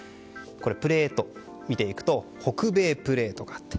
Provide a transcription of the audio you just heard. プレートを見ていくと北米プレートがあったり